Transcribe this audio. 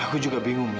aku juga bingung mbak